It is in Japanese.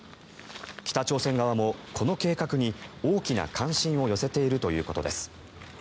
北朝鮮側もこの計画に大きな関心を寄せているということです。